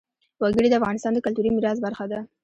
وګړي د افغانستان د کلتوري میراث برخه ده.